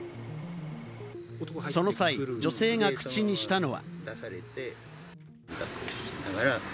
その際、女性が口にしたのは。